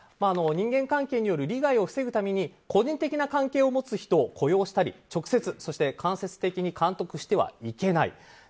人間関係による利害を防ぐために個人的な関係を持つ人を雇用したり直接、そして間接的に監督してはいけない。